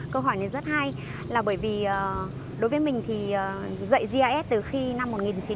câu hỏi này rất hay là bởi vì đối với mình thì dạy gis từ khi năm một nghìn chín trăm bảy mươi